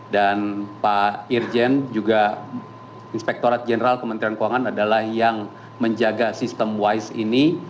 dan pak irjen juga inspektorat general kementerian keuangan adalah yang menjaga sistem wise ini